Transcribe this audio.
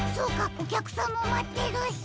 おきゃくさんもまってるし。